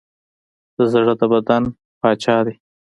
زړه د بدن پاچا دی.